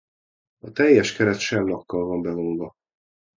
A teljes keret sellakkal van bevonva.